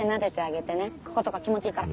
こことか気持ちいいから。